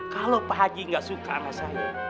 kalau pak haji gak suka anak saya